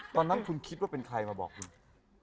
ตอนนั้นคุณคิดว่าเป็นใครมาบอกคุณ